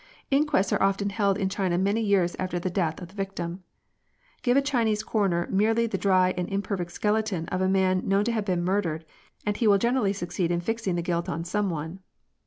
Inquests are often held in China many years after the death of the victim. Give a Chinese coroner merely the dry and imperfect skeleton of a man known to have been murdered, and he will generally succeed in fixing the guilt on some one.